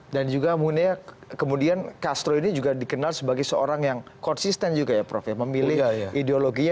dan juga kemudian castro ini juga dikenal sebagai seorang yang konsisten juga ya prof ya memilih ideologinya